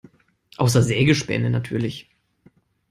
Außer Sägespäne natürlich.